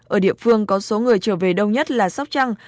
ở địa phương có số người trở về đông nhất là sóc trăng